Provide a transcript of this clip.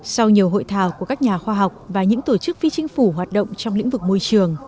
sau nhiều hội trợ